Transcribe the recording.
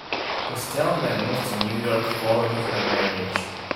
Costello then moved to New York following her marriage.